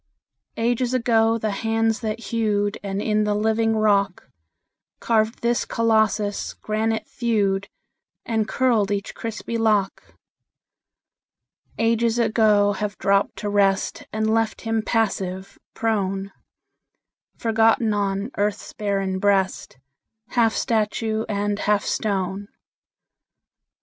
Ages ago the hands that hewed, And in the living rock Carved this Colossus, granite thewed And curled each crispy lock: Ages ago have dropped to rest And left him passive, prone, Forgotten on earth's barren breast, Half statue and half stone.